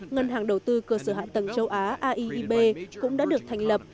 ngân hàng đầu tư cơ sở hạ tầng châu á aiib cũng đã được thành lập